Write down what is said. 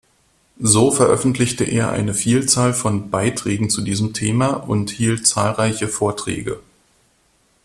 So veröffentlichte er eine Vielzahl von Beiträgen zu diesem Thema und hielt zahlreiche Vorträge.